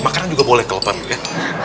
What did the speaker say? makanan juga boleh kalau pak milia tuh